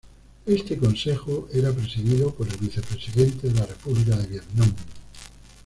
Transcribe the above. Este consejo era presidido por el Vice Presidente de la República de Vietnam.